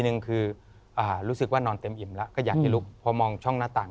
หนึ่งคือรู้สึกว่านอนเต็มอิ่มแล้วก็อยากให้ลุกพอมองช่องหน้าต่าง